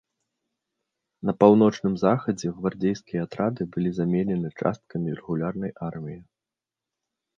На паўночным захадзе гвардзейскія атрады былі заменены часткамі рэгулярнай арміі.